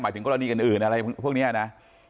ถึงกรณีอื่นอะไรพวกนี้นะ